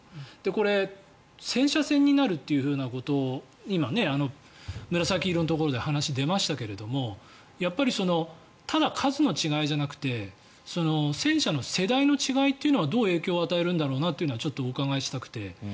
これ、戦車戦になるということを今、紫色のところで話が出ましたがやっぱりただ、数の違いじゃなくて戦車の世代の違いというのはどう影響を与えるんだろうなというのはちょっとお伺いしたくて。